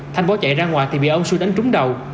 thanh bó chạy ra ngoài thì bị ông sun đánh trúng đầu